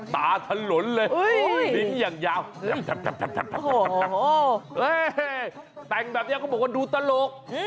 ตาถลนเลยลิ้นอย่างยาวแต่งแบบนี้เขาบอกว่าดูตลก